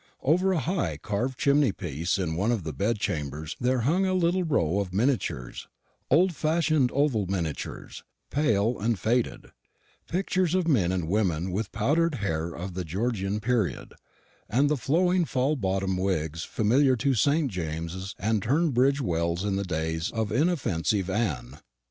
Over a high carved chimney piece in one of the bedchambers there hung a little row of miniatures old fashioned oval miniatures, pale and faded pictures of men and women with the powdered hair of the Georgian period, and the flowing full bottomed wigs familiar to St. James's and Tunbridge wells in the days of inoffensive Anne.